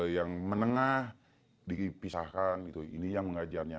yang menengah dipisahkan ini yang mengajarnya